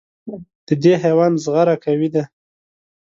د دې حیوان زغره قوي ده.